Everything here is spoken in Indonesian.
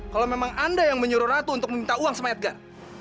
kalau memang anda yang menyuruh ratu untuk meminta uang smed guard